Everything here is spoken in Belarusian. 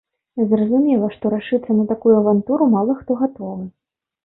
Зразумела, што рашыцца на такую авантуру мала хто гатовы.